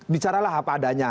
bicara lah apa adanya